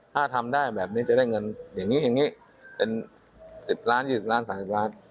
ถ้าทำได้แบบนี้จะได้เงินอย่างนี้อย่างนี้เป็น๑๐ล้าน๒๐ล้าน๓๐ล้าน